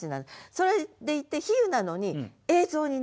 それでいて比喩なのに映像になっている。